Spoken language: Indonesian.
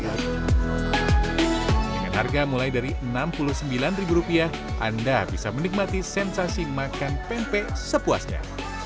dengan harga mulai dari rp enam puluh sembilan anda bisa menikmati sensasi makan pempek sepuasnya